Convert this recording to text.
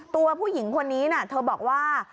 ตัวผู้หญิงคนนี้เธอบอกว่า